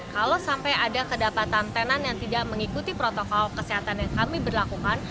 kalau sampai ada kedapatan tenan yang tidak mengikuti protokol kesehatan yang kami berlakukan